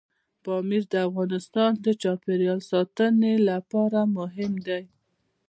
پامیر د افغانستان د چاپیریال ساتنې لپاره مهم دي.